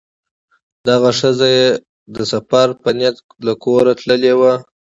دغه ښځه یې د سفر په نیت له کوره تللې وه.